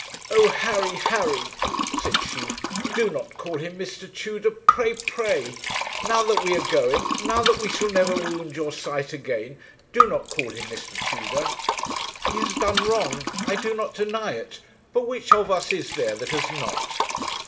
'Oh, Harry, Harry,' said she, 'do not call him Mr. Tudor pray, pray; now that we are going now that we shall never wound your sight again! do not call him Mr. Tudor. He has done wrong; I do not deny it; but which of us is there that has not?'